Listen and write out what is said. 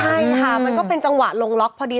ใช่ค่ะมันก็เป็นจังหวะลงล็อกพอดี